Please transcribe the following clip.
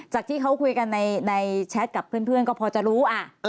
จากที่เขาคุยกันในแชทกับเพื่อนก็พอจะรู้